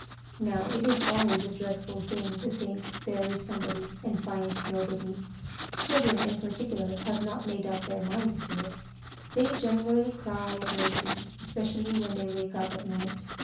Now it is always a dreadful thing to think there is somebody and find nobody. Children in particular have not made up their minds to it; they generally cry at nobody, especially when they wake up at night.